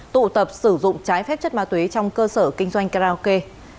tụ tập sử dụng trái phép chất ma túy trong cơ sở kinh doanh karaoke